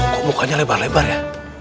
kok mukanya lebar lebar ya